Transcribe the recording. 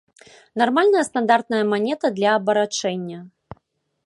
Нармальная стандартная манета для абарачэння.